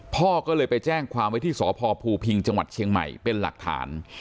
พ่อก็เลยไปแจ้งความไว้ที่สพภูพิงจังหวัดเชียงใหม่เป็นหลักฐาน